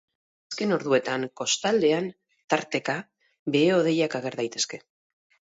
Azken orduetan kostaldean tarteka behe-hodeiak ager daitezke.